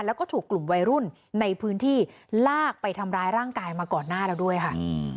แล้วก็ถูกกลุ่มวัยรุ่นในพื้นที่ลากไปทำร้ายร่างกายมาก่อนหน้าแล้วด้วยค่ะ